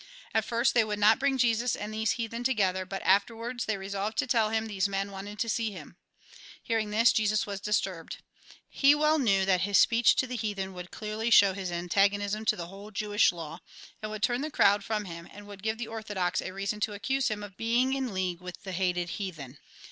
At first they would not bring Jesus and these heathen together ; but afterwards they resolved to tell him these men v» anted to see him. Hearing this, Jesus 208 THE GOSPEL IN BRIEF was disturbed. He well knew that his speech to the heathen would clearly show his antagonism to the whole Jewish law, would turn the crowd from him, and would give the orthodox a reason to accuse him of being in league with the hated heathen.